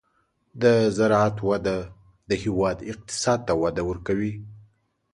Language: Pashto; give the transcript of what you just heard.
د زراعت وده د هېواد اقتصاد ته وده ورکوي.